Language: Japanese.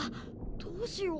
どうしよう。